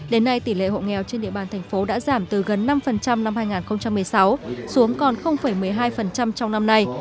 đến nay tỷ lệ hộ nghèo trên địa bàn thành phố đã giảm từ gần năm năm hai nghìn một mươi sáu xuống còn một mươi hai trong năm nay